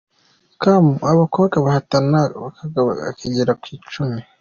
com, abakobwa bahatana bakaba bagera ku icumi.